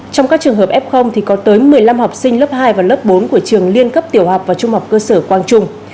trong các trường hợp f thì có tới một mươi năm học sinh lớp hai và lớp bốn của trường liên cấp tiểu học và trung học cơ sở quang trung